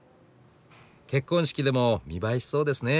結婚式でも見栄えしそうですね